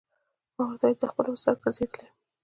ما ورته وویل: زه خپله اوس سر ګرځېدلی یم.